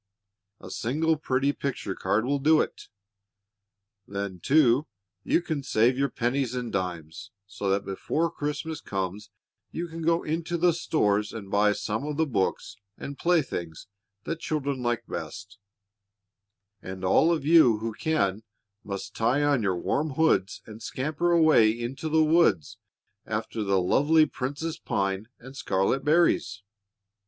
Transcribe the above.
A single pretty picture card will do it. Then, too, you can save your pennies and dimes, so that before Christmas comes you can go into the stores and buy some of the books and playthings that children like best; and all of you who can must tie on your warm hoods and scamper away into the woods after the lovely prince's pine and scarlet berries.